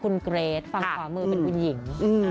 คุณเกรทฝั่งขวามือเป็นคุณหญิง